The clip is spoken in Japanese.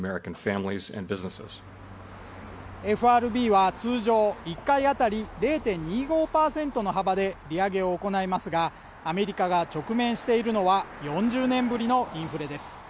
ＦＲＢは通常１回あたり０．２５％の幅で利上げを行いますがアメリカが直面しているのは４０年ぶりのインフレです